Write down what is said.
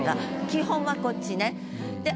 基本はこっちね。